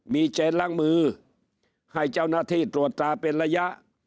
มีเจนล้างมือให้เจ้าหน้าที่ตรวจตาเป็นระยะ